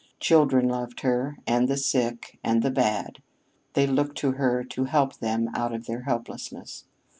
Children loved her, and the sick, and the bad. They looked to her to help them out of their helplessness.